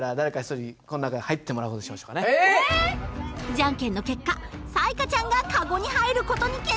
じゃんけんの結果彩加ちゃんがカゴに入る事に決定！